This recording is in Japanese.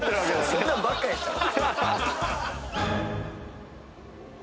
そんなんばっかでしたよ！